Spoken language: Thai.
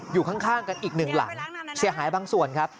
อยู่ข้างกันอีกหนึ่งหลังเสียหายบางส่วนครับ